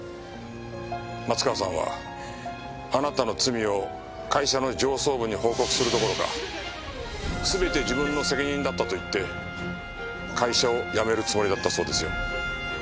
松川さんはあなたの罪を会社の上層部に報告するどころか全て自分の責任だったと言って会社を辞めるつもりだったそうですよ。